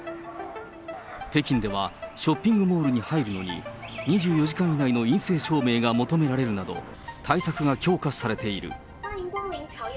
北京ではショッピングモールに入るのに、２４時間以内の陰性証明が求められるなど、対策が強化されている。